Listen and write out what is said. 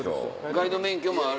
ガイド免許もある。